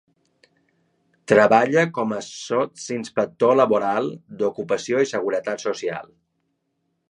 Treballa com a Sotsinspector laboral d'ocupació i seguretat social.